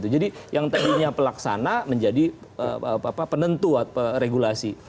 jadi yang tadinya pelaksana menjadi penentu regulasi